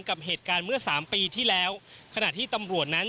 กับเหตุการณ์เมื่อสามปีที่แล้วขณะที่ตำรวจนั้น